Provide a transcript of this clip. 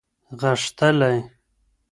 غښتلی